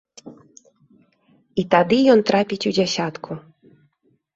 І тады ён трапіць у дзясятку.